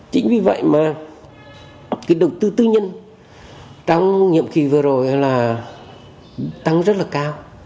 chính vì vậy mà cái đầu tư tư nhân trong nhiệm kỳ vừa rồi là tăng rất là cao